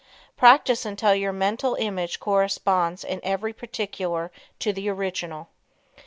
Practice until your mental image corresponds in every particular to the original.